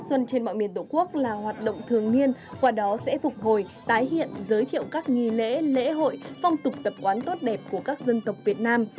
tết vui xuân trên mọi miền tổ quốc là hoạt động thường niên quả đó sẽ phục hồi tái hiện giới thiệu các nghỉ lễ lễ hội phong tục tập quán tốt đẹp của các dân tộc việt nam